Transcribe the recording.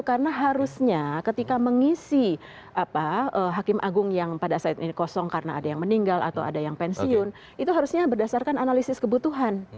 jadi ketika mengisi hakim agung yang pada saat ini kosong karena ada yang meninggal atau ada yang pensiun itu harusnya berdasarkan analisis kebutuhan